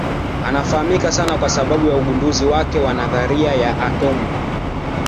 Anafahamika sana kwa sababu ya ugunduzi wake wa nadharia ya atomu.